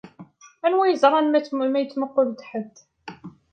Anwa yeẓran ma yettmuqul-d ḥedd.